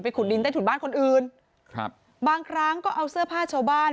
ขุดดินใต้ถุนบ้านคนอื่นครับบางครั้งก็เอาเสื้อผ้าชาวบ้าน